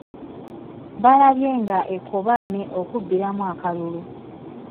Balabye nga ekkobaane okubbiramu akalulu.